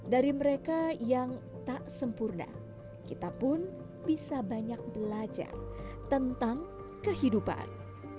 dari mereka yang tak sempurna kita pun bisa banyak belajar tentang kehidupan